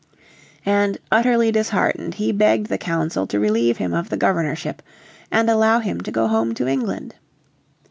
And utterly disheartened he begged the Council to relieve him of the governorship and allow him to go home to England.